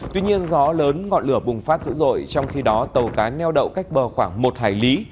tuy nhiên gió lớn ngọn lửa bùng phát dữ dội trong khi đó tàu cá neo đậu cách bờ khoảng một hải lý